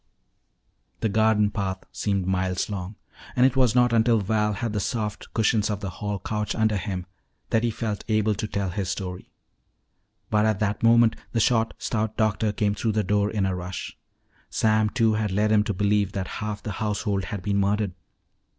The garden path seemed miles long, and it was not until Val had the soft cushions of the hall couch under him that he felt able to tell his story. But at that moment the short, stout doctor came through the door in a rush. Sam Two had led him to believe that half the household had been murdered.